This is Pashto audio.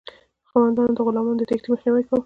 خاوندانو د غلامانو د تیښتې مخنیوی کاوه.